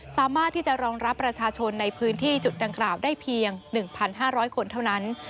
สามารถที่จะรองรับประชาชนในพื้นที่จุดดังกล่าวได้เพียง๑๕๐๐คนเท่านั้น